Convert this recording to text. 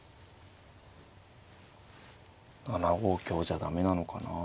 ７五香じゃ駄目なのかなあ。